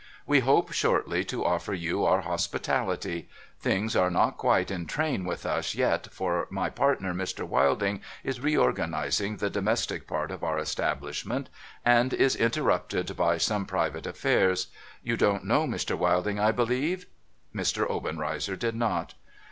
We hope shortly to offer you our hospitality. Things are not quite in train with us yet, for my partner, Mr. Wilding, is reorganising the domestic part of our establishment, and is 498 NO THOROUGHFARE interrupted by some private affairs. You don't know Mr. Wilding, I believe ?' Mr. Obenrcizer did not.